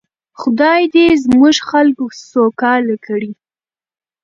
خدای دې زموږ خلک سوکاله کړي.